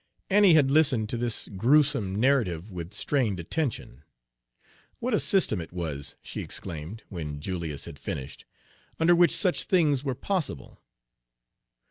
Annie had listened to this gruesome narrative with strained attention. "What a system it was," she exclaimed, when Julius had finished, "under which such things were possible!"